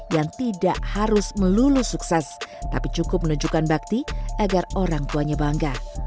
yang tidak harus melulu sukses tapi cukup menunjukkan bakti agar orang tuanya bangga